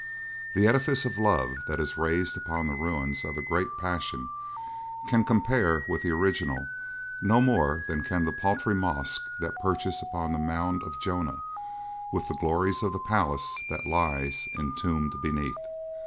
The edifice of love that is raised upon the ruins of a great passion can compare with the original no more than can the paltry mosque that perches upon the mound of Jonah with the glories of the palace that lies entombed beneath.